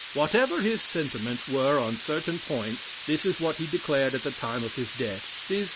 Whatever his sentiments were on certain points, this is what he declared at the time of his death viz.